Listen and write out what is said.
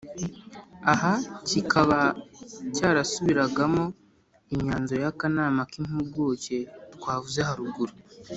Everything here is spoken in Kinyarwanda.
aha kikaba cyarasubiragamo imyanzuro y'akanama k'impuguke twavuze haruguru.